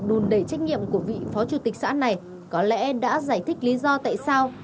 đùn đẩy trách nhiệm của vị phó chủ tịch xã này có lẽ đã giải thích lý do tại sao